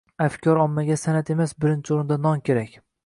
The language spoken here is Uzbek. Afkor ommaga san’at emas, birinchi o‘rinda non kerak.